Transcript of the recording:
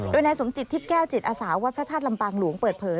โดยนายสมจิตทิพย์แก้วจิตอาสาวัดพระธาตุลำปางหลวงเปิดเผย